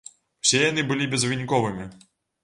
Усе яны былі безвыніковымі.